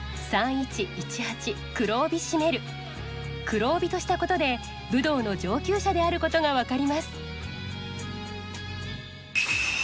「黒帯」としたことで武道の上級者であることが分かります。